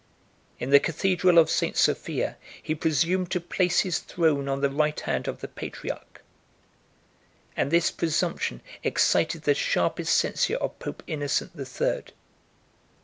In the cathedral of St. Sophia he presumed to place his throne on the right hand of the patriarch; and this presumption excited the sharpest censure of Pope Innocent the Third.